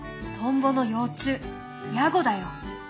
トンボの幼虫ヤゴだよ。